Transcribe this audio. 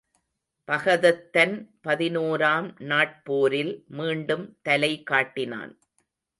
பகதத்தன் பதினோராம் நாட்போரில் மீண்டும் தலை காட்டினான்.